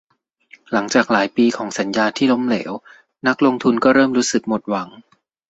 หลังจากหลายปีของสัญญาที่ล้มเหลว นักลงทุนก็เริ่มรู้สึกหมดหวัง